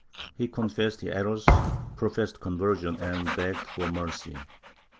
He confessed his errors, pro fessed conversion and begged for mercy.